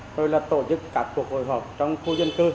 rồi là tổ chức các cuộc hội họp trong khu dân cư